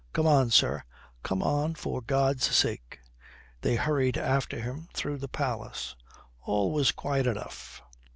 Come on, sir, come on for God's sake." They hurried after him through the palace. All was quiet enough.